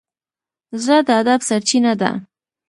زړه د ادب سرچینه ده.